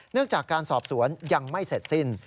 จากการสอบสวนยังไม่เสร็จสิ้น